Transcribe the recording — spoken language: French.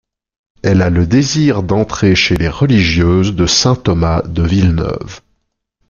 Elle a le désir d'entrer chez les religieuses de Saint Thomas de Villeneuve.